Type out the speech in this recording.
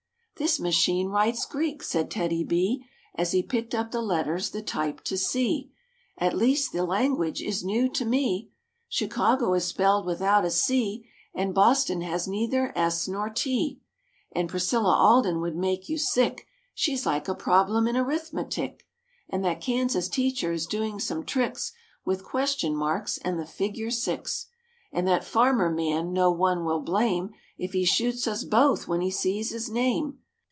''This machine writes Greek," said TEDDY B, As he picked up the letters the type to see; "At least the language is new to me: Chicago is spelled without a C, ( rf' And Boston has neither S nor T; And Priscilla Alden would make you sick, She's like a problem in arithmetic; And that Kansas teacher is doing some tricks With question marks and the figure 6; And that farmer man, no one will blame If he shoots us both when he sees his name.